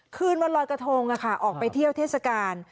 คืนวันลอยกระทงออกไปเที่ยวเทศกาล